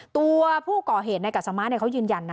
ตัวผู้ก่อเหตุในกัสมาเขายืนยันนะ